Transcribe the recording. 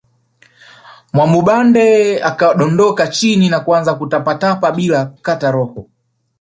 Mwamubambe akadondoka chini na kuanza kutapatapa bila kukata roho